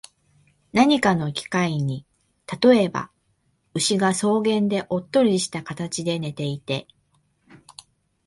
何かの機会に、例えば、牛が草原でおっとりした形で寝ていて、